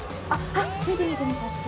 あっ、見て見て見て、あっち。